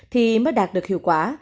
thì mới đạt được hiệu quả